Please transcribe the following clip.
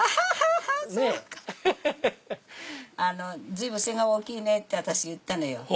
随分背が大きいね！って私言ったのよ。